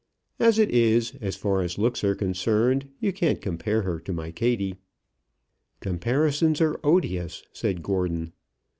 As it is, as far as looks are concerned, you can't compare her to my Kattie." "Comparisons are odious," said Gordon.